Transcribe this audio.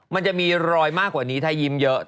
มันจะมีรอยมากกว่านี้ถ้ายิ้มเยอะ